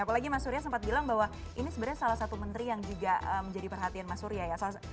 apalagi mas surya sempat bilang bahwa ini sebenarnya salah satu menteri yang juga menjadi perhatian mas surya ya